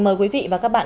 mời quý vị và các bạn